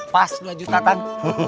pas dua juta tunt